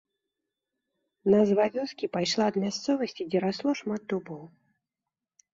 Назва вёскі пайшла ад мясцовасці, дзе расло шмат дубоў.